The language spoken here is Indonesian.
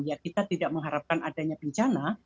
ya kita tidak mengharapkan adanya bencana